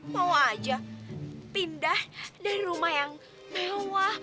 mau aja pindah dari rumah yang mewah